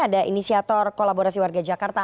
ada inisiator kolaborasi warga jakarta